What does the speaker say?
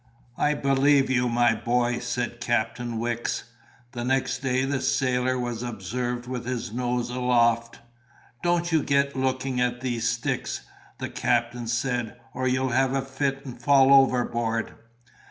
"I believe you, my boy," said Captain Wicks. The next day the sailor was observed with his nose aloft. "Don't you get looking at these sticks," the captain said, "or you'll have a fit and fall overboard."